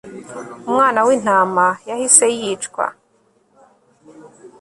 umwana wintama yahise yicwa